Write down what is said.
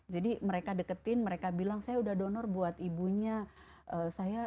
jadi mereka deketin mereka bilang saya sudah donor buat ibunya